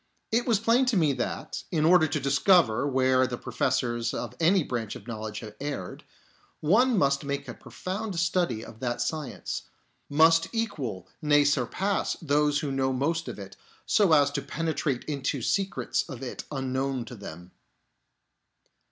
It was plain to me that, in order to discover where the professors of any branch of knowledge have erred, one must make a profound study of that science ; must equal, Bay surpass, those who know most of it, so as to penetrate into secrets of it unknown to them.